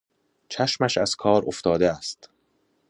چشمش از کار افتاده است